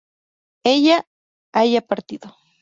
ella haya partido